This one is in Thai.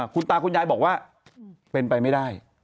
คุณตาคุณยายบอกว่าเป็นไปไม่ได้